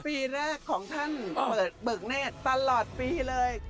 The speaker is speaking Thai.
ปีแรกของท่านเปิดเบิกเนธตลอดปีเลย